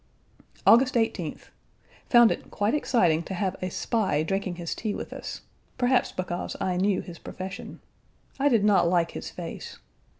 August 18th. Found it quite exciting to have a spy drinking his tea with us perhaps because I knew his profession. I did not like his face.